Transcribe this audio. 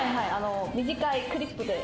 短いクリップで。